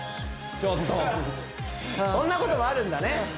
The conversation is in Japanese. ちょっとそんなこともあるんだね